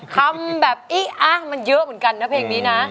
คำแบบอี๊อะมันเยอะเหมือนกันนะเพลงนี้นะ